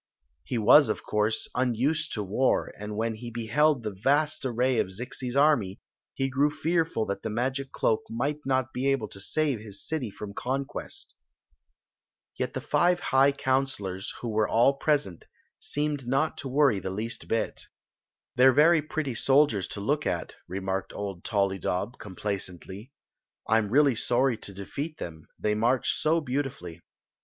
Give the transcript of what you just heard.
He was, of course, unused to w», and when he beheld the vast array of Zims army he grew fearful that the magic cloak might n^ be able to save his city from conquest Yet the five high counselors, who were all pres«^ seemed not to worry ^e least bit " They re very pretty seniors # at, remariced old To%dd>, ^i^kic^dy. " I 'm really sorry to defat Aeai, ^ mmch so beautifully."